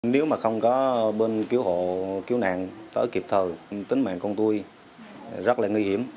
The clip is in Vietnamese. nếu mà không có bên cứu hộ cứu nạn tớ kịp thờ tính mạng con tôi rất là nguy hiểm